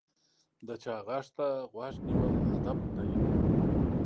د چا غږ ته غوږ نیول ادب دی.